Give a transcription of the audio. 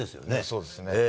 そうですね。